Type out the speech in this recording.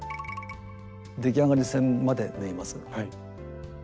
出来上がり線まで縫います。